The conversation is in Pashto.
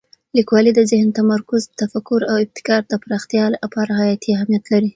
لیکوالی د ذهن تمرکز، تفکر او ابتکار د پراختیا لپاره حیاتي اهمیت لري.